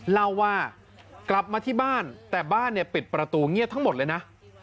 เล่าว่ากลับมาที่บ้านแต่บ้านเนี่ยปิดประตูเงียบทั้งหมดเลยนะ